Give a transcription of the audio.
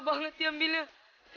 si krimnya lebih listik ya